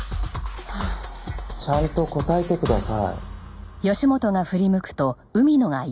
ちゃんと答えてください。